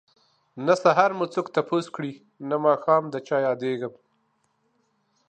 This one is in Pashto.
نه سحر مو څوک تپوس کړي نه ماښام ده چه ياديږم